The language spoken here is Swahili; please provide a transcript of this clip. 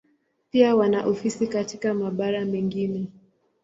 Pia wana ofisi katika mabara mengine.